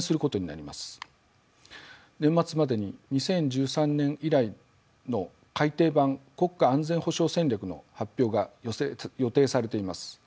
年末までに２０１３年以来の改訂版「国家安全保障戦略」の発表が予定されています。